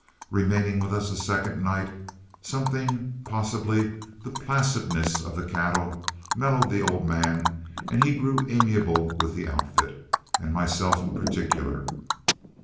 Remaining with us a second night, something, possibly the placidness of the cattle, mellowed the old man and he grew amiable with the outfit, and myself in particular.